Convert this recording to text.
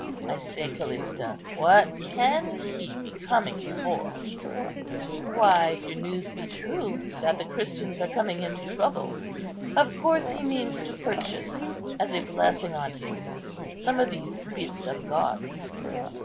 I say, Callista, what can he be coming for?" "Why, if your news be true, that the Christians are coming into trouble, of course he means to purchase, as a blessing on him, some of these bits of gods."